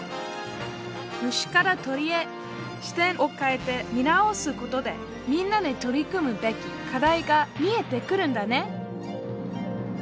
虫から鳥へ視点を変えて見直すことでみんなで取り組むべき課題が見えてくるんだね！